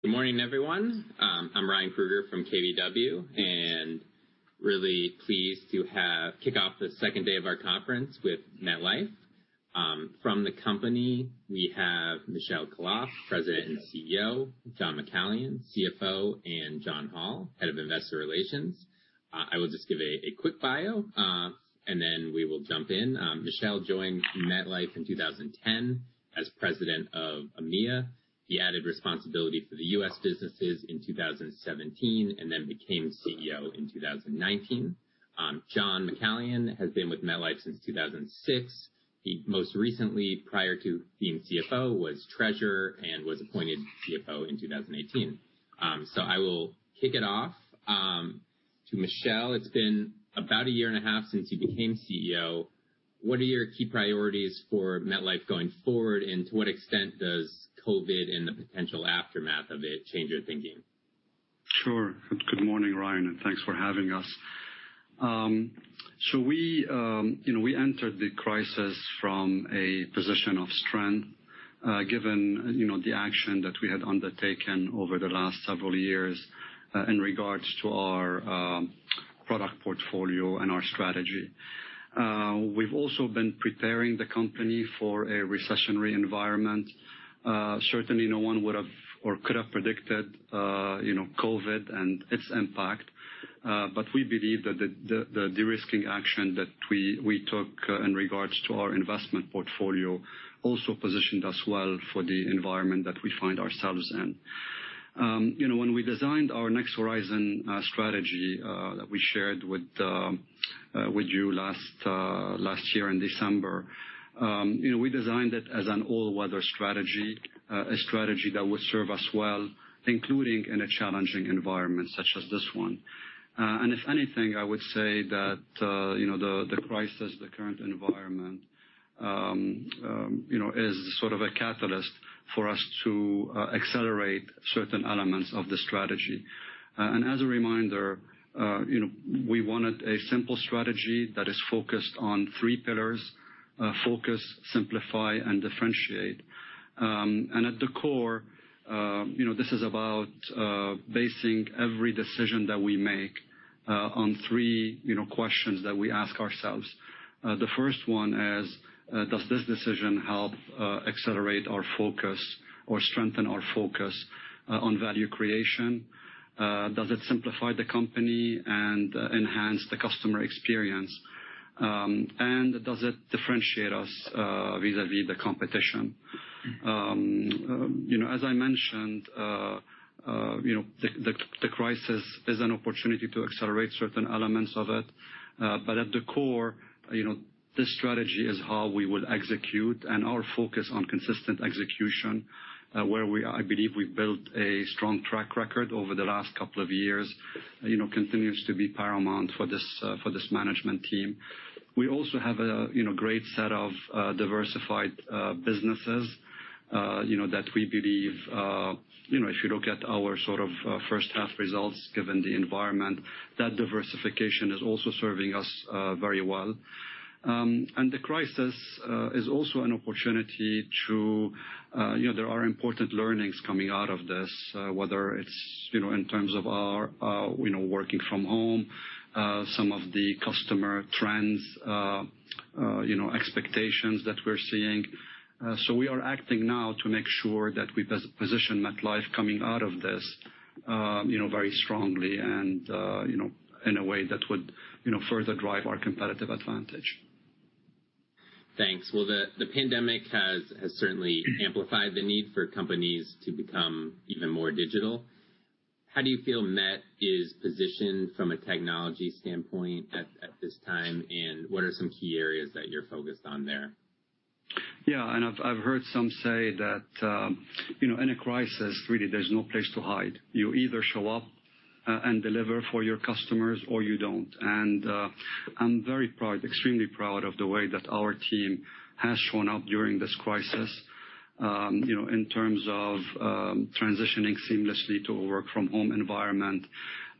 Good morning, everyone. I'm Ryan Krueger from KBW, and really pleased to kick off the second day of our conference with MetLife. From the company, we have Michel Khalaf, President and CEO, John McCallion, CFO, and John Hall, Head of Investor Relations. I will just give a quick bio, and then we will jump in. Michel joined MetLife in 2010 as president of EMEA. He added responsibility for the U.S. businesses in 2017 and then became CEO in 2019. John McCallion has been with MetLife since 2006. He most recently, prior to being CFO, was treasurer and was appointed CFO in 2018. I will kick it off to Michel. It's been about a year and a half since you became CEO. What are your key priorities for MetLife going forward, and to what extent does COVID and the potential aftermath of it change your thinking? Sure. Good morning, Ryan, and thanks for having us. We entered the crisis from a position of strength, given the action that we had undertaken over the last several years in regards to our product portfolio and our strategy. We've also been preparing the company for a recessionary environment. Certainly, no one would've or could have predicted COVID and its impact. We believe that the de-risking action that we took in regards to our investment portfolio also positioned us well for the environment that we find ourselves in. When we designed our Next Horizon strategy that we shared with you last year in December, we designed it as an all-weather strategy, a strategy that would serve us well, including in a challenging environment such as this one. If anything, I would say that the crisis, the current environment, is sort of a catalyst for us to accelerate certain elements of the strategy. As a reminder, we wanted a simple strategy that is focused on three pillars: focus, simplify, and differentiate. At the core, this is about basing every decision that we make on three questions that we ask ourselves. The first one is, does this decision help accelerate our focus or strengthen our focus on value creation? Does it simplify the company and enhance the customer experience? Does it differentiate us vis-a-vis the competition? As I mentioned, the crisis is an opportunity to accelerate certain elements of it. At the core, this strategy is how we will execute and our focus on consistent execution, where I believe we built a strong track record over the last couple of years, continues to be paramount for this management team. We also have a great set of diversified businesses that we believe, if you look at our first half results, given the environment, that diversification is also serving us very well. There are important learnings coming out of this, whether it's in terms of our working from home, some of the customer trends, expectations that we're seeing. We are acting now to make sure that we position MetLife coming out of this very strongly and in a way that would further drive our competitive advantage. Thanks. Well, the pandemic has certainly amplified the need for companies to become even more digital. How do you feel Met is positioned from a technology standpoint at this time, and what are some key areas that you're focused on there? Yeah, I've heard some say that in a crisis, really, there's no place to hide. You either show up and deliver for your customers, or you don't. I'm very proud, extremely proud of the way that our team has shown up during this crisis, in terms of transitioning seamlessly to a work-from-home environment,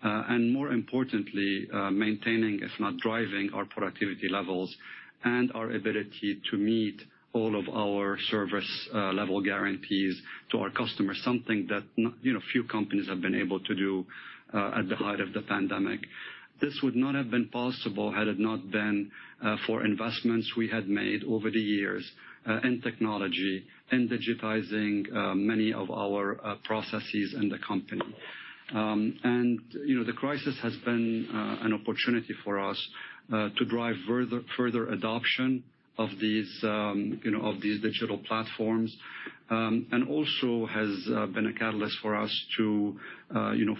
and more importantly, maintaining, if not driving our productivity levels and our ability to meet all of our service level guarantees to our customers, something that few companies have been able to do at the height of the pandemic. This would not have been possible had it not been for investments we had made over the years in technology, in digitizing many of our processes in the company. The crisis has been an opportunity for us to drive further adoption of these digital platforms, also has been a catalyst for us to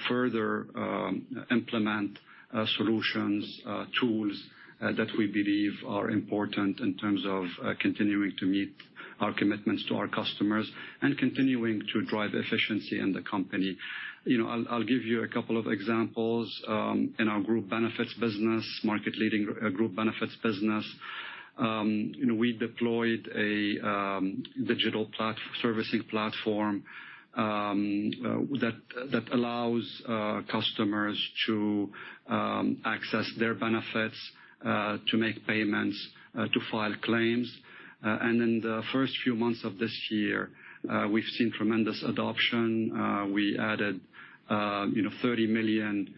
further implement solutions, tools that we believe are important in terms of continuing to meet our commitments to our customers and continuing to drive efficiency in the company. I'll give you a couple of examples. In our market-leading Group Benefits business, we deployed a digital servicing platform that allows customers to access their benefits, to make payments, to file claims. In the first few months of this year, we've seen tremendous adoption. We added 30 million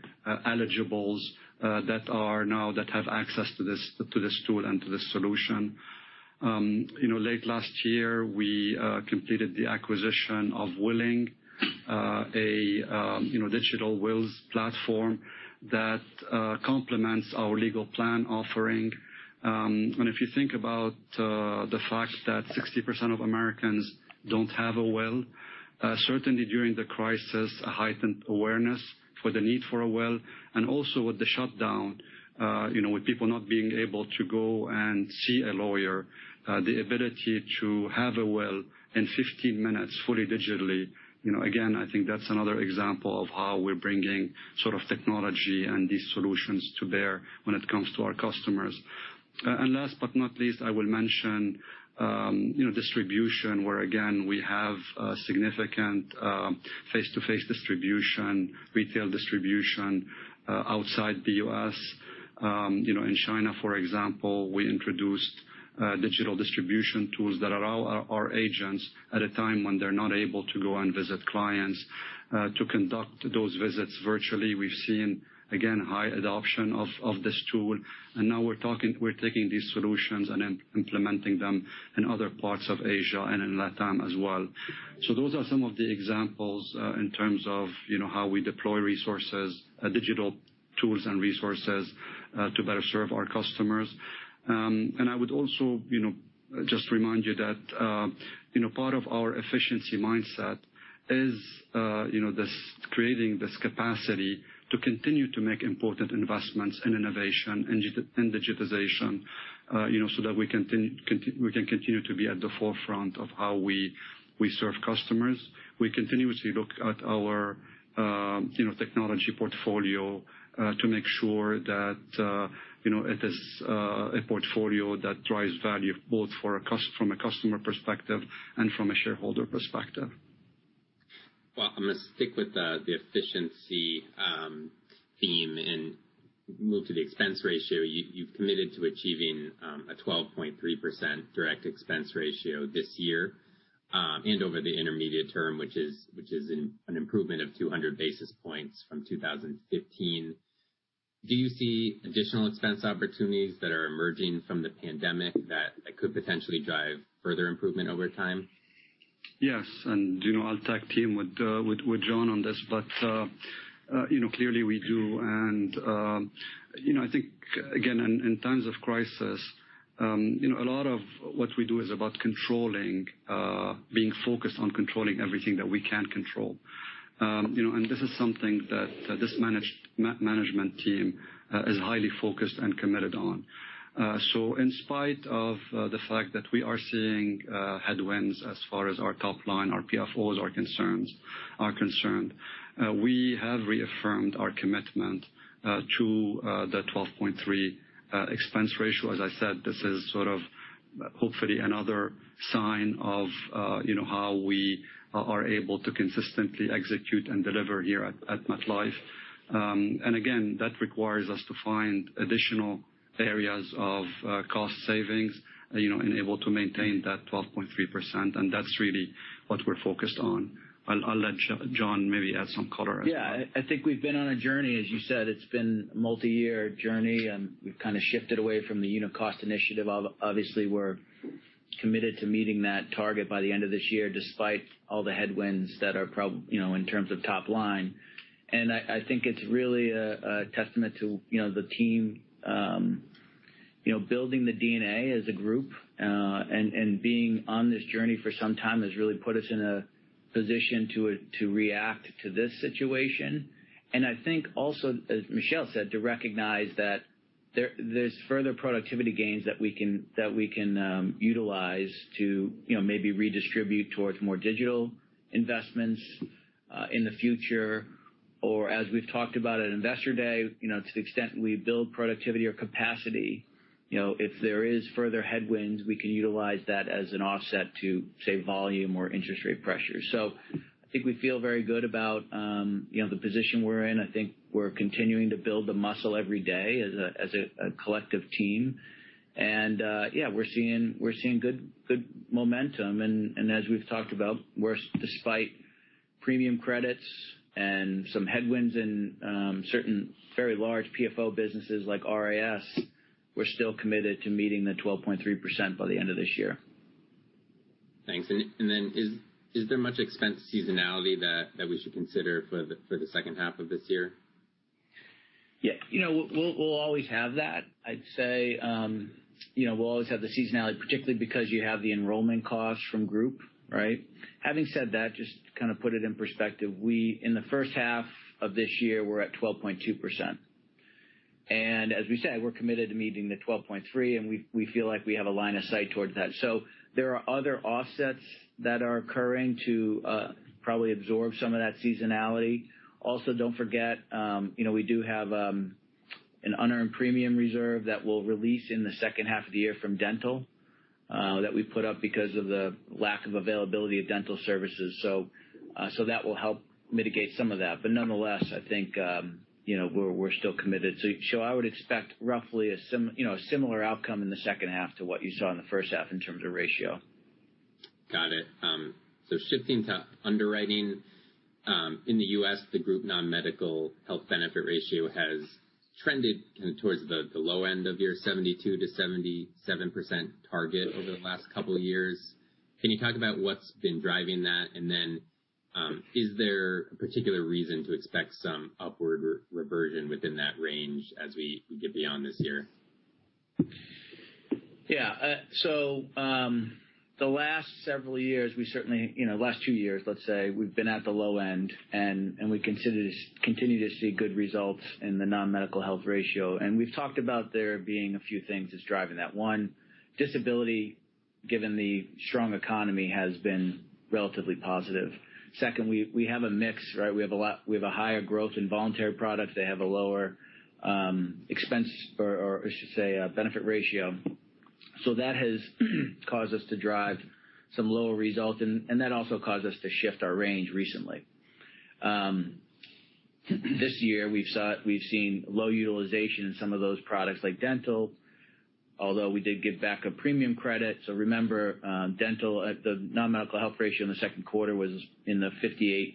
eligibles that now have access to this tool and to this solution. Late last year, we completed the acquisition of Willing, a digital wills platform that complements our legal plan offering. If you think about the fact that 60% of Americans don't have a will, certainly during the crisis, a heightened awareness for the need for a will, also with the shutdown, with people not being able to go and see a lawyer, the ability to have a will in 15 minutes, fully digitally. Again, I think that's another example of how we're bringing technology and these solutions to bear when it comes to our customers. Last but not least, I will mention distribution, where again, we have significant face-to-face distribution, retail distribution outside the U.S. In China, for example, we introduced digital distribution tools that allow our agents, at a time when they're not able to go and visit clients, to conduct those visits virtually. We've seen, again, high adoption of this tool. Now we're taking these solutions and implementing them in other parts of Asia and in LATAM as well. Those are some of the examples in terms of how we deploy digital tools and resources to better serve our customers. I would also just remind you that part of our efficiency mindset is creating this capacity to continue to make important investments in innovation and digitization so that we can continue to be at the forefront of how we serve customers. We continuously look at our technology portfolio to make sure that it is a portfolio that drives value both from a customer perspective and from a shareholder perspective. I'm going to stick with the efficiency theme and move to the expense ratio. You've committed to achieving a 12.3% direct expense ratio this year and over the intermediate term, which is an improvement of 200 basis points from 2015. Do you see additional expense opportunities that are emerging from the pandemic that could potentially drive further improvement over time? Yes, I'll tag team with John on this. Clearly we do. I think, again, in times of crisis, a lot of what we do is about being focused on controlling everything that we can control. This is something that this management team is highly focused and committed on. In spite of the fact that we are seeing headwinds as far as our top line, our PFOs are concerned, we have reaffirmed our commitment to the 12.3% expense ratio. As I said, this is hopefully another sign of how we are able to consistently execute and deliver here at MetLife. Again, that requires us to find additional areas of cost savings and able to maintain that 12.3%, and that's really what we're focused on. I'll let John maybe add some color as well. I think we've been on a journey, as you said. It's been a multi-year journey, and we've kind of shifted away from the unit cost initiative. Obviously, we're committed to meeting that target by the end of this year, despite all the headwinds in terms of top line. I think it's really a testament to the team building the DNA as a group, and being on this journey for some time has really put us in a position to react to this situation. I think also, as Michel said, to recognize that there's further productivity gains that we can utilize to maybe redistribute towards more digital investments in the future, or as we've talked about at Investor Day, to the extent we build productivity or capacity, if there is further headwinds, we can utilize that as an offset to, say, volume or interest rate pressure. I think we feel very good about the position we're in. I think we're continuing to build the muscle every day as a collective team. Yeah, we're seeing good momentum, and as we've talked about, despite premium credits and some headwinds in certain very large PFO businesses like RIS, we're still committed to meeting the 12.3% by the end of this year. Thanks. Then is there much expense seasonality that we should consider for the second half of this year? Yeah. We'll always have that. I'd say we'll always have the seasonality, particularly because you have the enrollment costs from Group. Right? Having said that, just to kind of put it in perspective, in the first half of this year, we're at 12.2%. As we said, we're committed to meeting the 12.3%, and we feel like we have a line of sight towards that. There are other offsets that are occurring to probably absorb some of that seasonality. Also, don't forget, we do have an unearned premium reserve that will release in the second half of the year from dental, that we put up because of the lack of availability of dental services. That will help mitigate some of that. Nonetheless, I think we're still committed. I would expect roughly a similar outcome in the second half to what you saw in the first half in terms of ratio. Got it. Shifting to underwriting. In the U.S., the group non-medical health benefit ratio has trended kind of towards the low end of your 72%-77% target over the last couple of years. Can you talk about what's been driving that? Is there a particular reason to expect some upward reversion within that range as we get beyond this year? Yeah. The last several years, we certainly, last two years, let's say, we've been at the low end, and we continue to see good results in the non-medical health ratio. We've talked about there being a few things that's driving that. One, disability, given the strong economy, has been relatively positive. Second, we have a mix, right? We have a higher growth in voluntary products. They have a lower expense or I should say, benefit ratio. That has caused us to drive some lower results and that also caused us to shift our range recently. This year, we've seen low utilization in some of those products like dental, although we did give back a premium credit. Remember, dental at the non-medical health ratio in the second quarter was in the 58%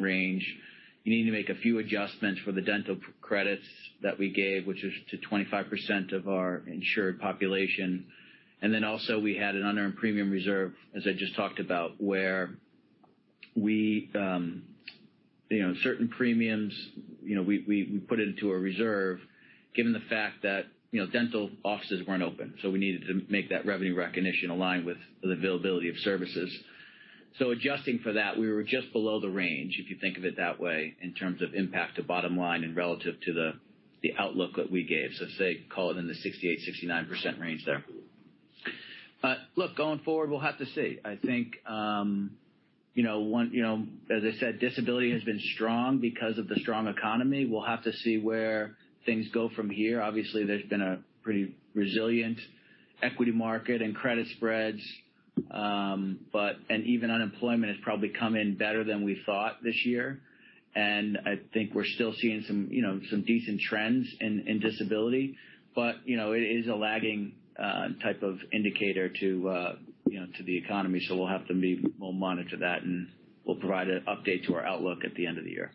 range. You need to make a few adjustments for the dental credits that we gave, which is to 25% of our insured population. Also we had an unearned premium reserve, as I just talked about, where certain premiums we put into a reserve given the fact that dental offices weren't open. We needed to make that revenue recognition align with the availability of services. Adjusting for that, we were just below the range, if you think of it that way, in terms of impact to bottom line and relative to the outlook that we gave. Say, call it in the 68%-69% range there. Look, going forward, we'll have to see. I think as I said, disability has been strong because of the strong economy. We'll have to see where things go from here. Obviously, there's been a pretty resilient equity market and credit spreads. Even unemployment has probably come in better than we thought this year. I think we're still seeing some decent trends in disability. It is a lagging type of indicator to the economy. We'll monitor that, and we'll provide an update to our outlook at the end of the year.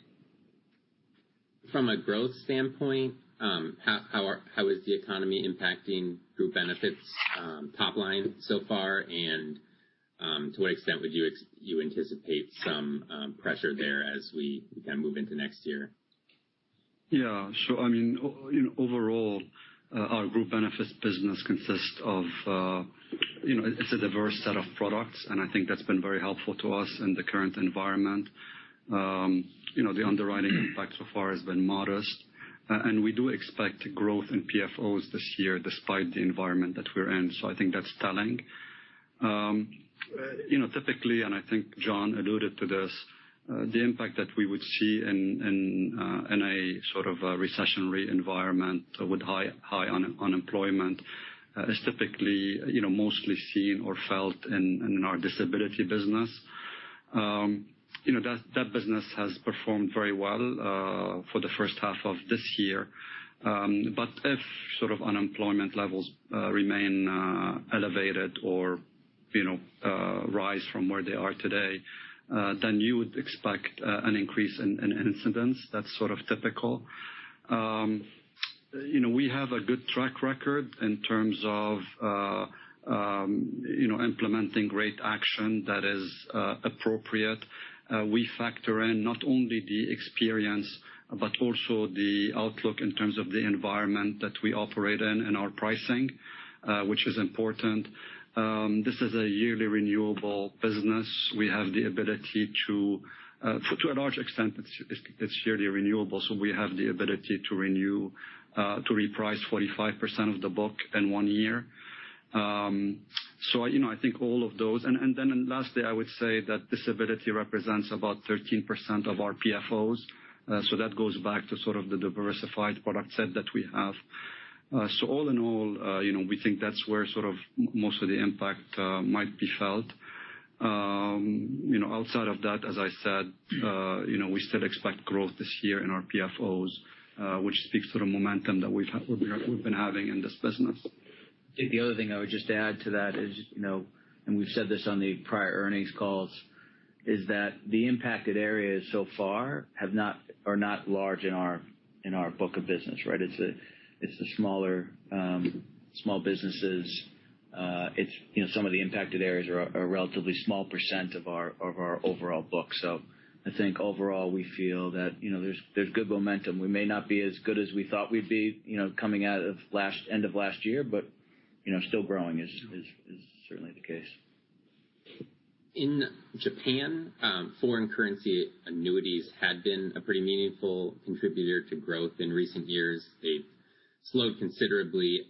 From a growth standpoint, how is the economy impacting Group Benefits top line so far, and to what extent would you anticipate some pressure there as we kind of move into next year? Yeah, sure. Overall, our Group Benefits business consists of a diverse set of products, and I think that's been very helpful to us in the current environment. The underwriting impact so far has been modest. We do expect growth in PFOs this year despite the environment that we're in. I think that's telling. Typically, and I think John alluded to this, the impact that we would see in a sort of a recessionary environment with high unemployment is typically mostly seen or felt in our disability business. That business has performed very well for the first half of this year. If unemployment levels remain elevated or rise from where they are today, you would expect an increase in incidents. That's sort of typical. We have a good track record in terms of implementing rate action that is appropriate. We factor in not only the experience but also the outlook in terms of the environment that we operate in and our pricing, which is important. This is a yearly renewable business. To a large extent, it's yearly renewable, so we have the ability to renew, to reprice 45% of the book in one year. I think all of those. Lastly, I would say that disability represents about 13% of our PFOs. That goes back to sort of the diversified product set that we have. All in all, we think that's where sort of most of the impact might be felt. Outside of that, as I said, we still expect growth this year in our PFOs, which speaks to the momentum that we've been having in this business. I think the other thing I would just add to that is, we've said this on the prior earnings calls, is that the impacted areas so far are not large in our book of business, right? It's the small businesses. Some of the impacted areas are a relatively small % of our overall book. I think overall, we feel that there's good momentum. We may not be as good as we thought we'd be coming out of end of last year, but still growing is certainly the case. In Japan, foreign currency annuities had been a pretty meaningful contributor to growth in recent years. They've slowed considerably.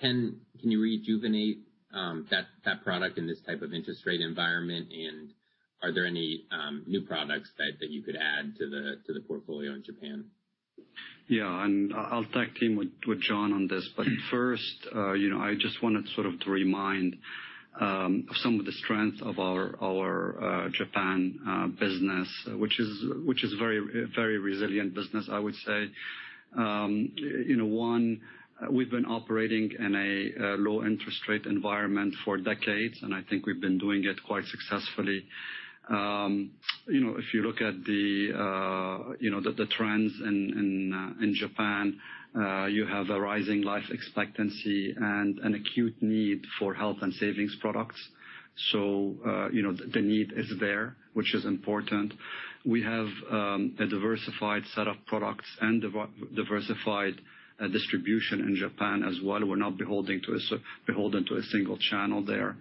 Can you rejuvenate that product in this type of interest rate environment? Are there any new products that you could add to the portfolio in Japan? I'll tag-team with John on this. First, I just wanted to remind of some of the strength of our Japan business, which is a very resilient business, I would say. One, we've been operating in a low interest rate environment for decades, and I think we've been doing it quite successfully. If you look at the trends in Japan, you have a rising life expectancy and an acute need for health and savings products. The need is there, which is important. We have a diversified set of products and diversified distribution in Japan as well. We're not beholden to a single channel there.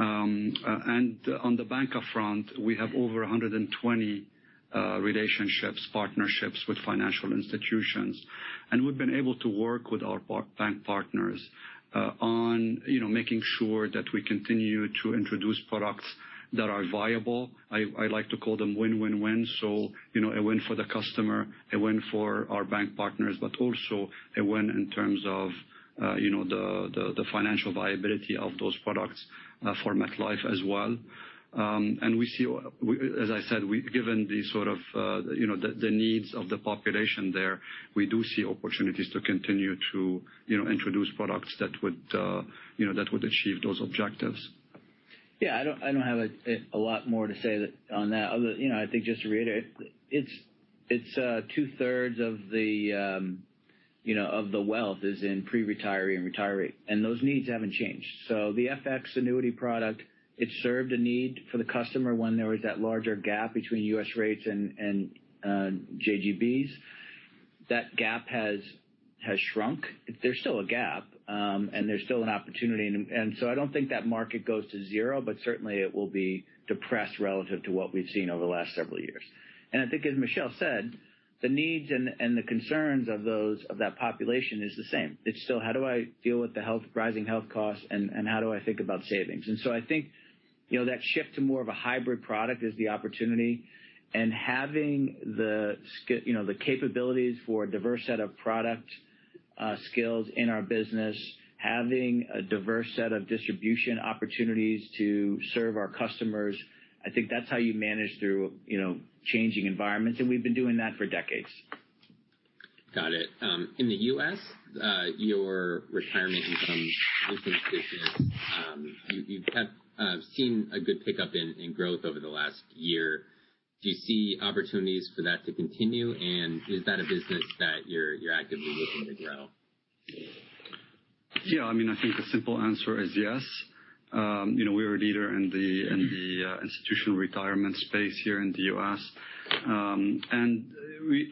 On the banker front, we have over 120 relationships, partnerships with financial institutions. We've been able to work with our bank partners on making sure that we continue to introduce products that are viable. I like to call them win-win-win. A win for the customer, a win for our bank partners, but also a win in terms of the financial viability of those products for MetLife as well. As I said, given the needs of the population there, we do see opportunities to continue to introduce products that would achieve those objectives. I don't have a lot more to say on that, other than, I think just to reiterate, it's two-thirds of the wealth is in pre-retiree and retiree, and those needs haven't changed. The FX annuity product, it served a need for the customer when there was that larger gap between U.S. rates and JGBs. That gap has shrunk. There's still a gap, and there's still an opportunity. I don't think that market goes to zero, but certainly it will be depressed relative to what we've seen over the last several years. I think as Michel said, the needs and the concerns of that population is the same. It's still, how do I deal with the rising health costs, and how do I think about savings? I think that shift to more of a hybrid product is the opportunity, and having the capabilities for a diverse set of product skills in our business, having a diverse set of distribution opportunities to serve our customers, I think that's how you manage through changing environments, and we've been doing that for decades. Got it. In the U.S., your Retirement & Income Solutions, you have seen a good pickup in growth over the last year. Do you see opportunities for that to continue, and is that a business that you're actively looking to grow? Yeah. I think the simple answer is yes. We're a leader in the institutional retirement space here in the U.S.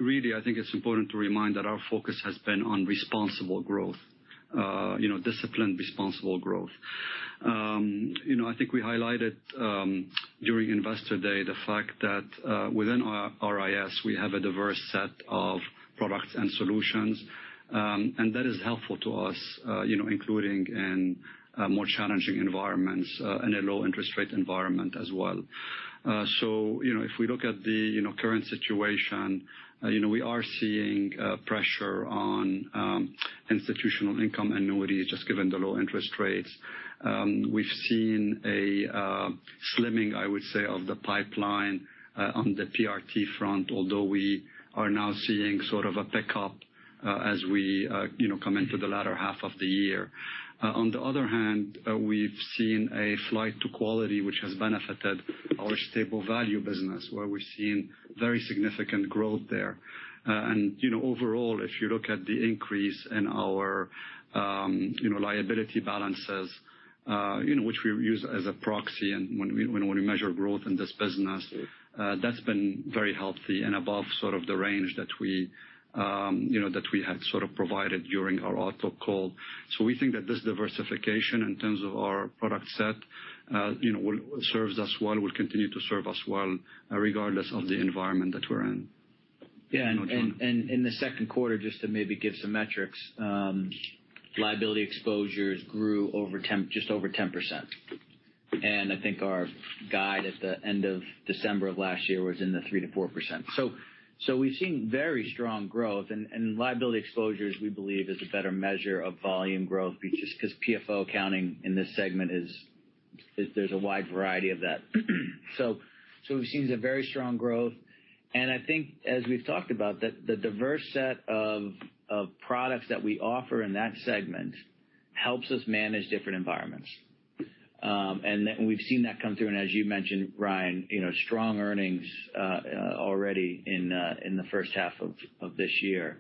Really, I think it's important to remind that our focus has been on responsible growth, disciplined, responsible growth. I think we highlighted, during Investor Day, the fact that within RIS, we have a diverse set of products and solutions. That is helpful to us, including in more challenging environments, in a low interest rate environment as well. If we look at the current situation, we are seeing pressure on institutional income annuities, just given the low interest rates. We've seen a slimming, I would say, of the pipeline on the PRT front, although we are now seeing sort of a pickup as we come into the latter half of the year. On the other hand, we've seen a flight to quality which has benefited our stable value business, where we're seeing very significant growth there. Overall, if you look at the increase in our liability balances which we use as a proxy when we measure growth in this business, that's been very healthy and above the range that we had provided during our outlook call. We think that this diversification in terms of our product set serves us well, will continue to serve us well, regardless of the environment that we're in. Yeah. In the second quarter, just to maybe give some metrics, liability exposures grew just over 10%. I think our guide at the end of December of last year was in the 3%-4%. We've seen very strong growth, and liability exposures, we believe, is a better measure of volume growth because PFO accounting in this segment is, there's a wide variety of that. We've seen some very strong growth, and I think as we've talked about, the diverse set of products that we offer in that segment helps us manage different environments. We've seen that come through, and as you mentioned, Ryan, strong earnings already in the first half of this year.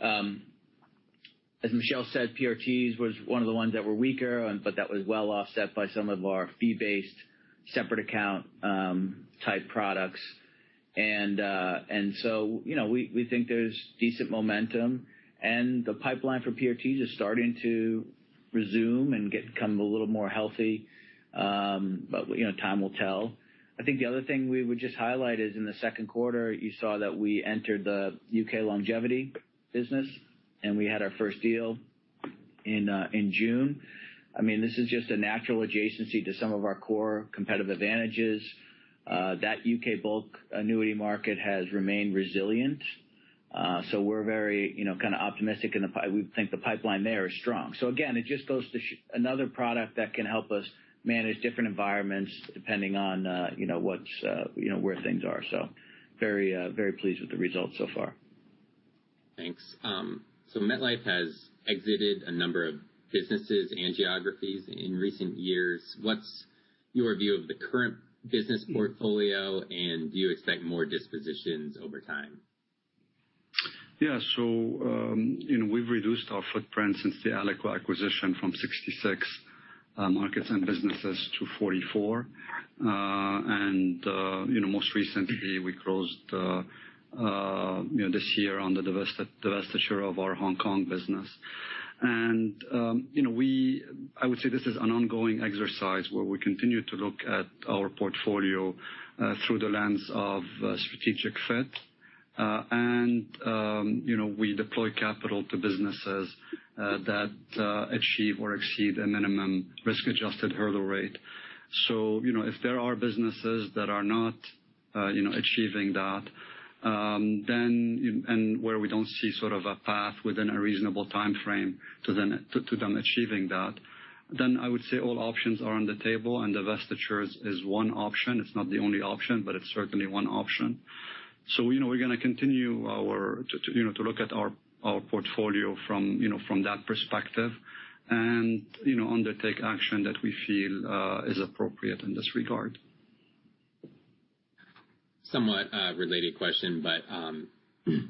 As Michel said, PRTs was one of the ones that were weaker, but that was well offset by some of our fee-based separate account type products. We think there's decent momentum, and the pipeline for PRTs is starting to resume and become a little more healthy. Time will tell. I think the other thing we would just highlight is in the second quarter, you saw that we entered the U.K. longevity business, and we had our first deal. In June. This is just a natural adjacency to some of our core competitive advantages. That U.K. bulk annuity market has remained resilient. We're very optimistic, and we think the pipeline there is strong. Again, it just goes to another product that can help us manage different environments depending on where things are. Very pleased with the results so far. Thanks. MetLife has exited a number of businesses and geographies in recent years. What's your view of the current business portfolio, and do you expect more dispositions over time? Yeah. We've reduced our footprint since the Alico acquisition from 66 markets and businesses to 44. Most recently, we closed this year on the divestiture of our Hong Kong business. I would say this is an ongoing exercise where we continue to look at our portfolio through the lens of strategic fit. We deploy capital to businesses that achieve or exceed a minimum risk-adjusted hurdle rate. If there are businesses that are not achieving that, and where we don't see sort of a path within a reasonable timeframe to them achieving that, then I would say all options are on the table, and divestiture is one option. It's not the only option, but it's certainly one option. We're going to continue to look at our portfolio from that perspective and undertake action that we feel is appropriate in this regard. Somewhat a related question,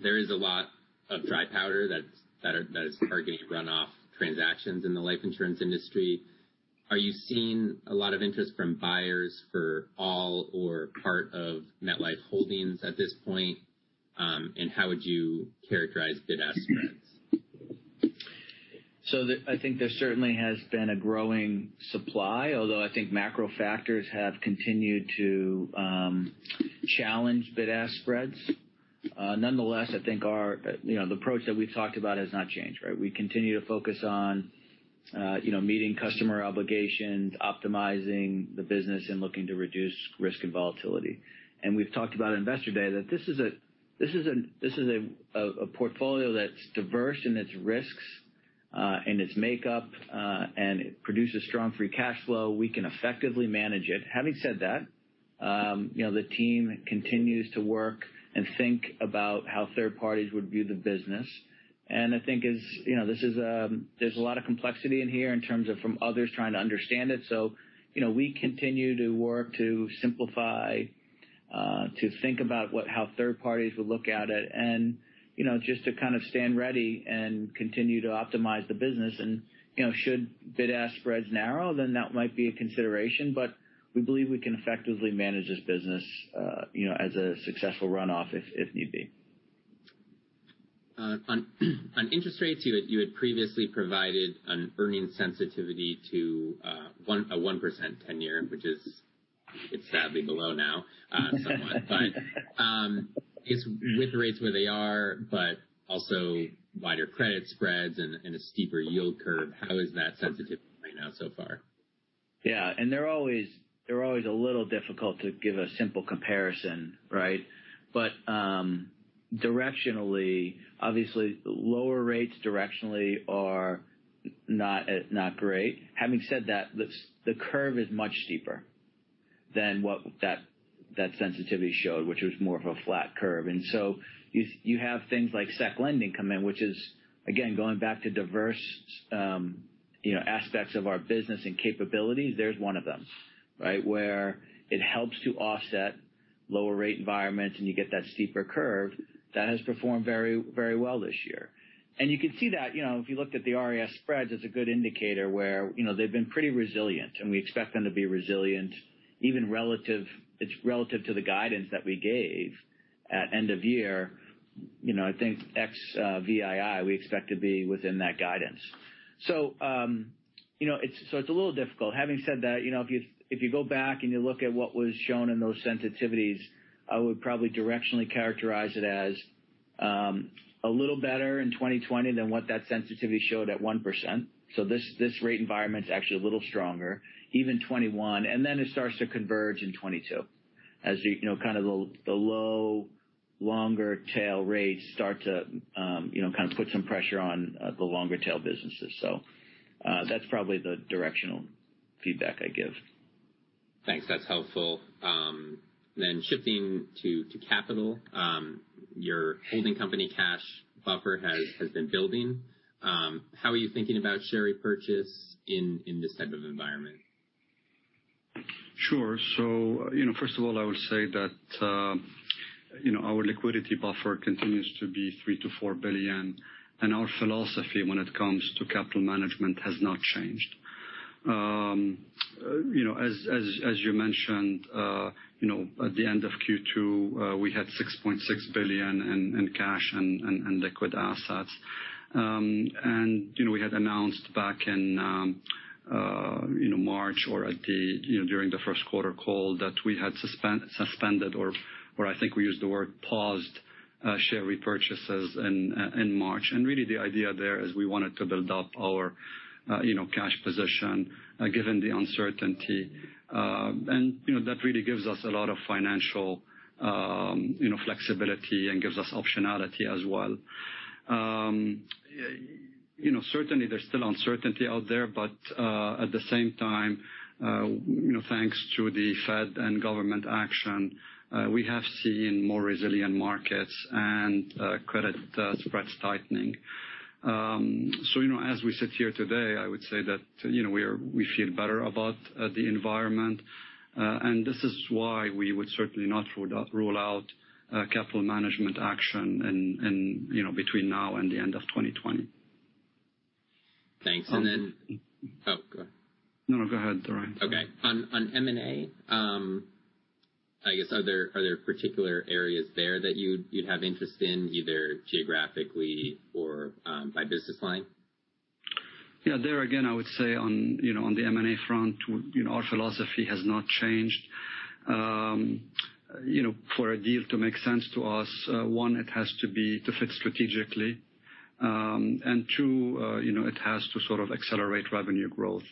there is a lot of dry powder that is targeting runoff transactions in the life insurance industry. Are you seeing a lot of interest from buyers for all or part of MetLife Holdings at this point? How would you characterize bid-ask spreads? I think there certainly has been a growing supply, although I think macro factors have continued to challenge bid-ask spreads. Nonetheless, I think the approach that we've talked about has not changed, right? We continue to focus on meeting customer obligations, optimizing the business, and looking to reduce risk and volatility. We've talked about at Investor Day that this is a portfolio that's diverse in its risks, in its makeup, and it produces strong free cash flow. We can effectively manage it. Having said that, the team continues to work and think about how third parties would view the business. I think there's a lot of complexity in here in terms of from others trying to understand it. We continue to work to simplify, to think about how third parties would look at it, and just to kind of stand ready and continue to optimize the business. Should bid-ask spreads narrow, then that might be a consideration, we believe we can effectively manage this business as a successful runoff if need be. On interest rates, you had previously provided an earnings sensitivity to a 1% 10-year, which is sadly below now somewhat. With rates where they are, also wider credit spreads and a steeper yield curve, how is that sensitivity playing out so far? Yeah. They're always a little difficult to give a simple comparison, right? Directionally, obviously, lower rates directionally are not great. Having said that, the curve is much steeper than what that sensitivity showed, which was more of a flat curve. You have things like securities lending come in, which is, again, going back to diverse aspects of our business and capabilities, there's one of them, right? Where it helps to offset lower rate environments, and you get that steeper curve that has performed very well this year. You could see that, if you looked at the RIS spreads as a good indicator where they've been pretty resilient, and we expect them to be resilient even relative to the guidance that we gave at end of year. I think ex-VII, we expect to be within that guidance. It's a little difficult. Having said that, if you go back and you look at what was shown in those sensitivities, I would probably directionally characterize it as a little better in 2020 than what that sensitivity showed at 1%. This rate environment's actually a little stronger, even 2021. It starts to converge in 2022, as kind of the low longer tail rates start to kind of put some pressure on the longer tail businesses. That's probably the directional feedback I give. Thanks. That's helpful. Shifting to capital. Your holding company cash buffer has been building. How are you thinking about share repurchase in this type of environment? Sure. First of all, I would say that our liquidity buffer continues to be $3 billion-$4 billion, and our philosophy when it comes to capital management has not changed. As you mentioned, at the end of Q2, we had $6.6 billion in cash and liquid assets. We had announced back in March or during the first quarter call that we had suspended or I think we used the word paused share repurchases in March. Really the idea there is we wanted to build up our cash position given the uncertainty. That really gives us a lot of financial flexibility and gives us optionality as well. Certainly, there's still uncertainty out there. At the same time, thanks to the Federal Reserve and government action, we have seen more resilient markets and credit spreads tightening. As we sit here today, I would say that we feel better about the environment. This is why we would certainly not rule out capital management action between now and the end of 2020. Thanks. Go ahead. No, go ahead, Ryan. Okay. On M&A, I guess, are there particular areas there that you'd have interest in, either geographically or by business line? Yeah. There, again, I would say on the M&A front, our philosophy has not changed. For a deal to make sense to us, one, it has to fit strategically, and two, it has to sort of accelerate revenue growth.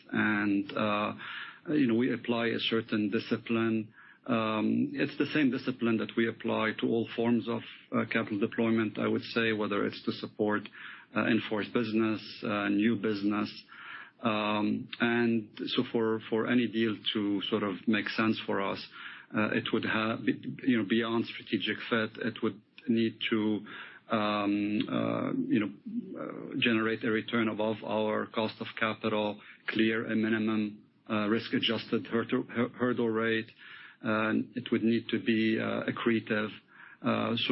We apply a certain discipline. It's the same discipline that we apply to all forms of capital deployment, I would say, whether it's to support in-force business, new business. For any deal to sort of make sense for us, beyond strategic fit, it would need to generate a return above our cost of capital, clear a minimum risk-adjusted hurdle rate, and it would need to be accretive. That's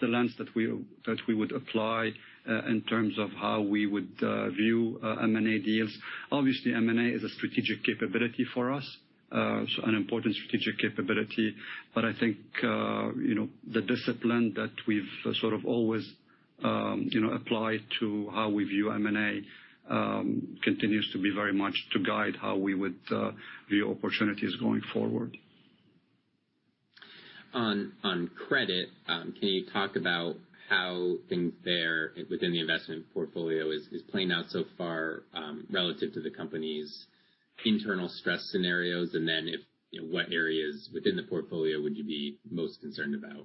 the lens that we would apply, in terms of how we would view M&A deals. Obviously, M&A is a strategic capability for us, an important strategic capability. I think the discipline that we've sort of always applied to how we view M&A continues to be very much to guide how we would view opportunities going forward. On credit, can you talk about how things there within the investment portfolio is playing out so far, relative to the company's internal stress scenarios? What areas within the portfolio would you be most concerned about?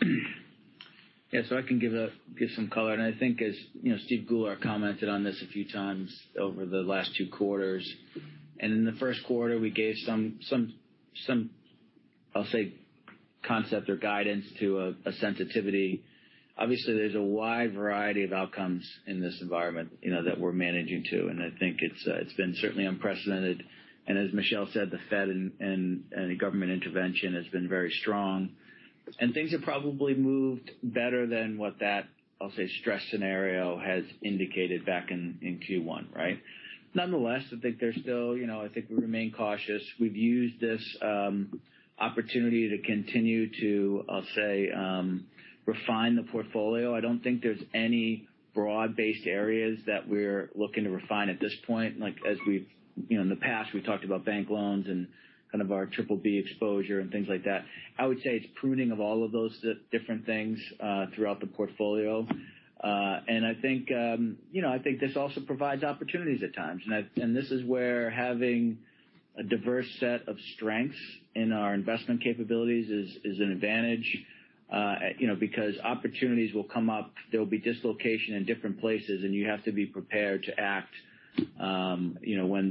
Yeah. I can give some color. I think as Steve Goulart commented on this a few times over the last two quarters, in the first quarter, we gave some, I'll say, concept or guidance to a sensitivity. Obviously, there's a wide variety of outcomes in this environment that we're managing to, and I think it's been certainly unprecedented. As Michel said, the Fed and government intervention has been very strong. Things have probably moved better than what that, I'll say, stress scenario has indicated back in Q1, right? Nonetheless, I think we remain cautious. We've used this opportunity to continue to, I'll say, refine the portfolio. I don't think there's any broad-based areas that we're looking to refine at this point. In the past, we talked about bank loans and kind of our Triple-B exposure and things like that. I would say it's pruning of all of those different things throughout the portfolio. I think this also provides opportunities at times. This is where having a diverse set of strengths in our investment capabilities is an advantage, because opportunities will come up, there'll be dislocation in different places, and you have to be prepared to act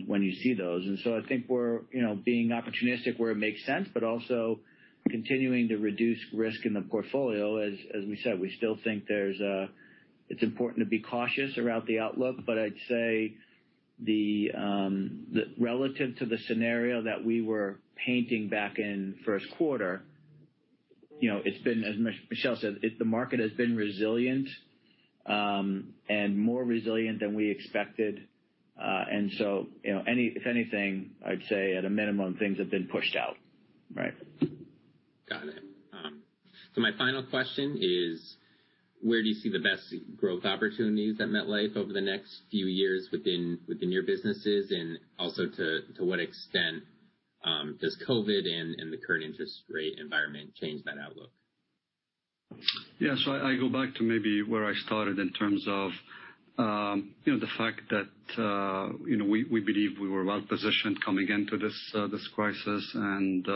when you see those. I think we're being opportunistic where it makes sense, but also continuing to reduce risk in the portfolio. As we said, we still think it's important to be cautious about the outlook. I'd say, relative to the scenario that we were painting back in first quarter, as Michel said, the market has been resilient, and more resilient than we expected. If anything, I'd say at a minimum, things have been pushed out, right? Got it. My final question is, where do you see the best growth opportunities at MetLife over the next few years within your businesses? To what extent does COVID and the current interest rate environment change that outlook? Yeah. I go back to maybe where I started in terms of the fact that we believe we were well-positioned coming into this crisis, and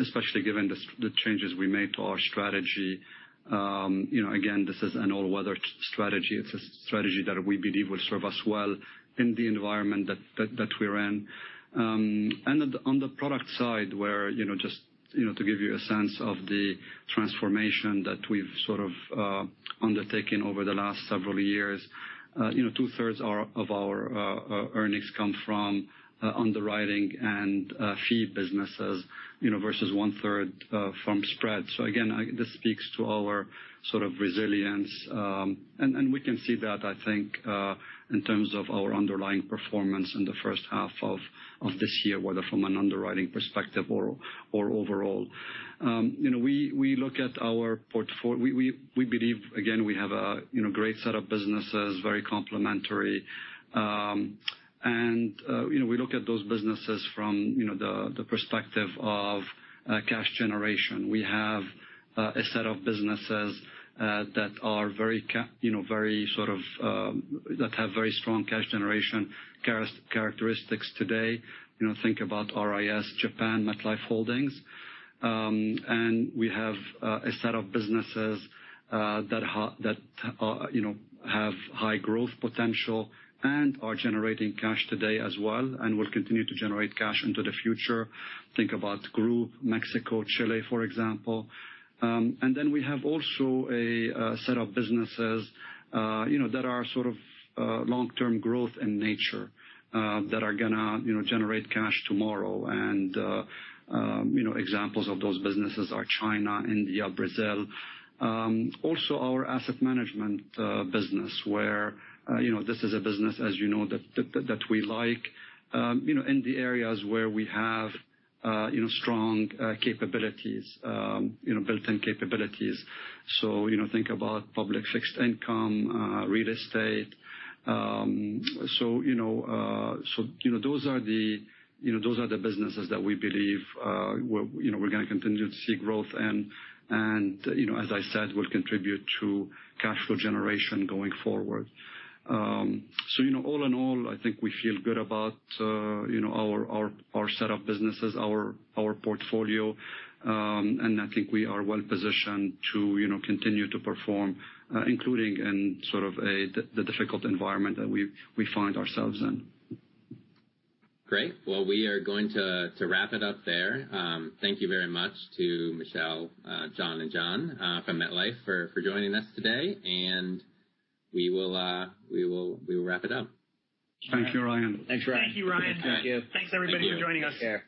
especially given the changes we made to our strategy. Again, this is an all-weather strategy. It's a strategy that we believe will serve us well in the environment that we're in. On the product side, just to give you a sense of the transformation that we've sort of undertaken over the last several years, two-thirds of our earnings come from underwriting and fee businesses, versus one-third from spreads. Again, this speaks to our sort of resilience. We can see that, I think, in terms of our underlying performance in the first half of this year, whether from an underwriting perspective or overall. We believe, again, we have a great set of businesses, very complementary. We look at those businesses from the perspective of cash generation. We have a set of businesses that have very strong cash generation characteristics today. Think about RIS, Japan, MetLife Holdings. We have a set of businesses that have high growth potential and are generating cash today as well, and will continue to generate cash into the future. Think about Group, Mexico, Chile, for example. Then we have also a set of businesses that are sort of long-term growth in nature, that are going to generate cash tomorrow. Examples of those businesses are China, India, Brazil. Also our asset management business, where this is a business, as you know, that we like, in the areas where we have strong built-in capabilities. Think about public fixed income, real estate. Those are the businesses that we believe we're going to continue to see growth and, as I said, will contribute to cash flow generation going forward. All in all, I think we feel good about our set of businesses, our portfolio, and I think we are well positioned to continue to perform, including in sort of the difficult environment that we find ourselves in. Great. Well, we are going to wrap it up there. Thank you very much to Michel, John, and John from MetLife for joining us today. We will wrap it up. Thank you, Ryan. Thanks, Ryan. Thank you, Ryan. Thank you. Thanks, everybody, for joining us. Take care.